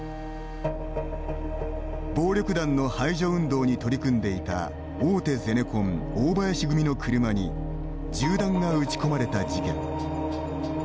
暴力団の排除運動に取り組んでいた大手ゼネコン・大林組の車に銃弾が撃ち込まれた事件。